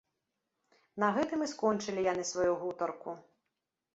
На гэтым і скончылі яны сваю гутарку.